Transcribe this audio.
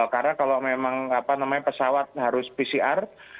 karena kalau memang pesawat harus pcr